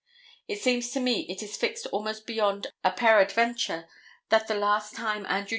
It seems to me it is fixed almost beyond a peradventure that the last time Andrew J.